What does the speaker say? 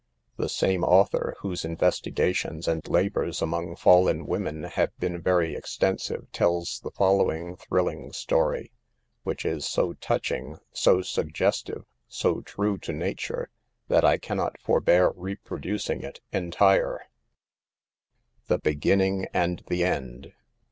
The same author, whose investigations and labors among fallen women have been very extensive, tells the following thrilling story, which is so touching, so suggestive, so true to nature, that I can not forbear reproducing it entire :" THE BEGINNING AND THE END.